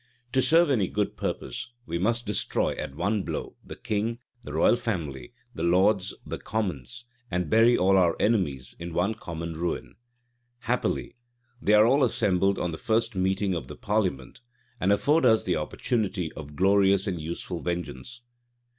To serve any good purpose, we must destroy, at one blow, the king, the royal family, the lords, the commons; and bury all our enemies in one common ruin. Happily, they are all assembled on the first meeting of the parliament, and afford us the opportunity of glorious and useful vengeance.